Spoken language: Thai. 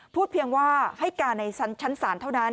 เพียงว่าให้การในชั้นศาลเท่านั้น